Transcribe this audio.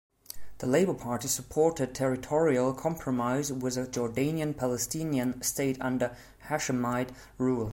The Labour Party supported territorial compromise with a Jordanian-Palestinian state under Hashemite rule.